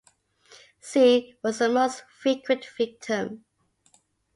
Si was the most frequent victim.